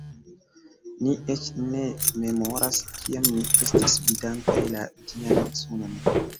Ni eĉ ne memoras, kiam ni estis vidantaj la Dian sunon.